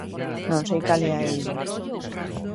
Non sei cal é a eiva.